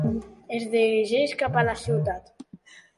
Es dirigeix cap a la ciutat.